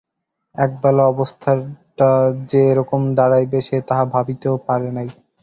একবেলায় অবস্থাটা যে এরকম দাড়াইবে সে তাহা ভাবিতেও পারে নাই।